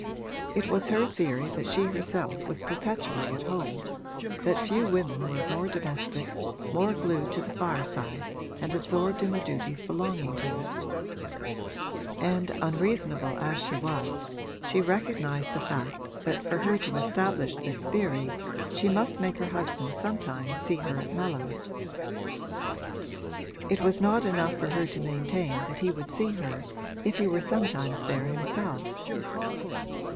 It was her theory that she herself was perpetually at home that few women were more domestic, more glued to the fireside and absorbed in the duties belonging to it; and unreasonable as she was she recognised the fact that for her to establish this theory she must make her husband sometimes see her at Mellows. It was not enough for her to maintain that he would see her if he were sometimes there himself.